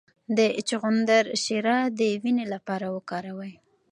د چغندر شیره د وینې لپاره وکاروئ